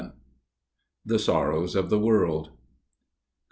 The Sorrows of the World